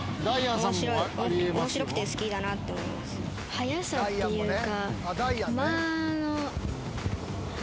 はやさっていうか。